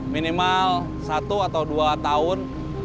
minimal satu atau dua tahun